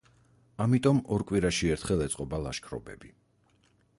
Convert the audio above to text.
ამიტომ, ორ კვირაში ერთხელ ეწყობა ლაშქრობები.